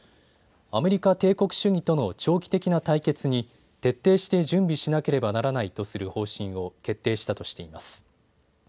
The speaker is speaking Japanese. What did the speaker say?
アメリカ帝国主義との長期的な対決に徹底して準備しなければならないとする方針を決定したとしています。